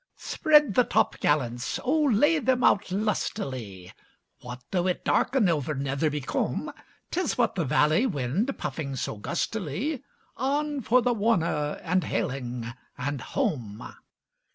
Spread the topgallants—oh, lay them out lustily! What though it darken o'er Netherby Combe? 'Tis but the valley wind, puffing so gustily— On for the Warner and Hayling and Home!